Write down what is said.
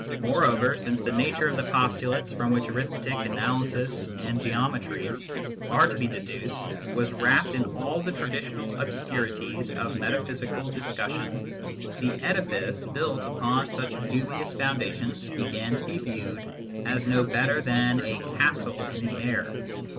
Moreover, since the nature of the postulates from which arithmetic, analysis, and geometry are to be deduced was wrapped in all the traditional obscurities of metaphysical discussion, the edifice built upon such dubious foundations began to be viewed as no better than a castle in the air.